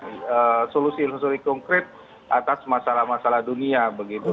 mencari solusi solusi konkret atas masalah masalah dunia begitu